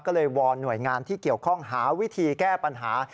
ก็เลยวอนหน่วยงานที่เกี่ยวข้องหาวิธีแก้ปัญหา